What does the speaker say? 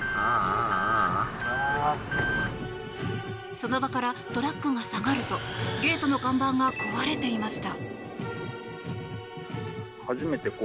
その場からトラックが下がるとゲートの看板が壊れていました。